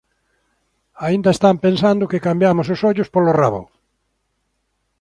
Aínda está pensando que cambiamos os ollos polo rabo.